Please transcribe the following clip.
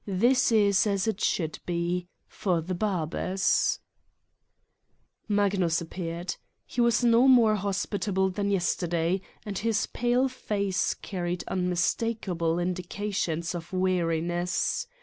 This is as it should be for the barbers !" Magnus appeared. He was no more hospitable than yesterday and his pale face carried unmis takable indications of weariness.